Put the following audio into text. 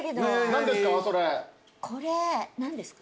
何ですか？